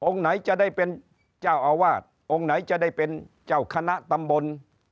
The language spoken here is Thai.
ไหนจะได้เป็นเจ้าอาวาสองค์ไหนจะได้เป็นเจ้าคณะตำบล